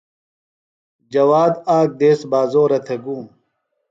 جواد آک دیس بازورہ تھےۡ گُوم.